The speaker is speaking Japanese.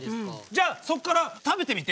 じゃあそっから食べてみて。